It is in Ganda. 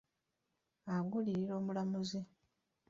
Agulirira omulamuzi.